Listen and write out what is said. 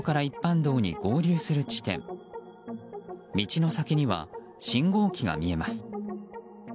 道の先には信号機が見えます。